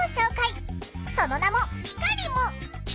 その名も「ピカリム」。